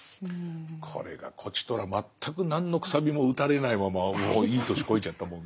これがこちとら全く何の楔も打たれないままいい年こいちゃったもんで。